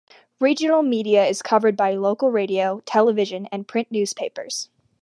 Regional media is covered by local radio, television and print newspapers.